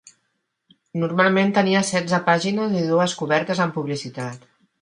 Normalment tenia setze pàgines i dues cobertes amb publicitat.